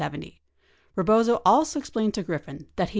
Rebozo also ex plained to Griffin that he.